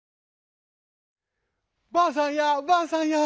「ばあさんやばあさんや！